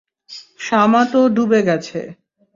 শামা তো ডুবে গেছে।